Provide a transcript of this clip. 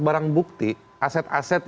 barang bukti aset aset